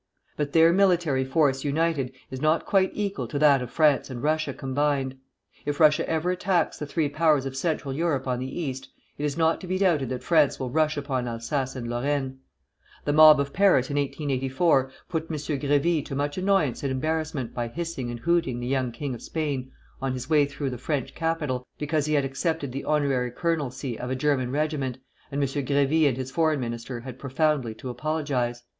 But their military force united is not quite equal to that of France and Russia combined. If Russia ever attacks the three powers of Central Europe on the East, it is not to be doubted that France will rush upon Alsace and Lorraine. The mob of Paris, in 1884, put M. Grévy to much annoyance and embarrassment by hissing and hooting the young king of Spain on his way through the French capital because he had accepted the honorary colonelcy of a German regiment, and M. Grévy and his Foreign Minister had profoundly to apologize.